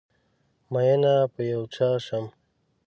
ميېنه په یو چا شم